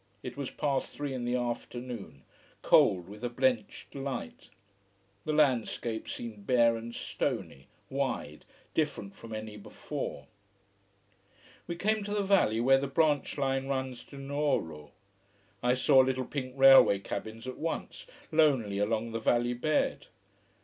It was past three in the afternoon, cold with a blenched light. The landscape seemed bare and stony, wide, different from any before. We came to the valley where the branch line runs to Nuoro. I saw little pink railway cabins at once, lonely along the valley bed.